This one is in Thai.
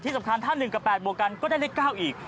สำคัญถ้า๑กับ๘บวกกันก็ได้เลข๙อีก